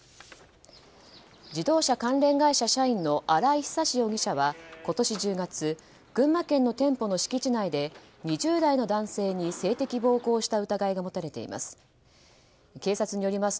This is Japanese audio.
自動車関連会社社員の新井寿容疑者は今年１０月群馬県の店舗の敷地内で２０代の男性に性的暴行をした疑いが持たれています。